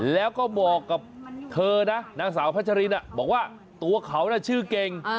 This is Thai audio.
แล้วก็บอกกับเธอนะนางสาวพัชรินบอกว่าตัวเขาชื่อเก่ง